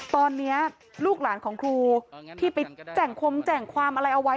ตอนนี้ลูกหลานของครูที่ไปแจ่งคมแจ่งความอะไรเอาไว้